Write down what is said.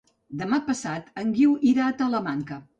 Demà passat en Guiu irà a Talamanca.